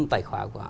tại khóa của họ